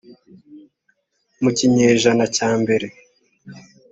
mu kinyejana cya mbere